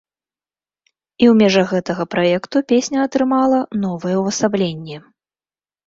І ў межах гэтага праекту песня атрымала новае ўвасабленне.